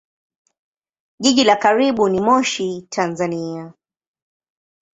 Jiji la karibu ni Moshi, Tanzania.